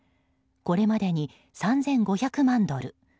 これまでに３５００万ドル